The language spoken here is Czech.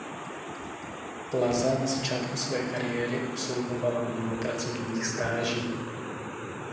Plaza na začátku své kariéry absolvovala mnoho pracovních stáží.